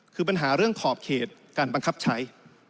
คือปัญหาเรื่องขอบเขตการบังคับใช้